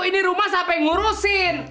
ini rumah siapa yang ngurusin